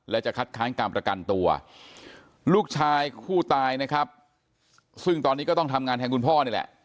และจะคัดค้านการประกันตัวลูกชายผู้ตายนะครับซึ่งตอนนี้ก็ต้องทำงานแทนคุณพ่อนี่แหละ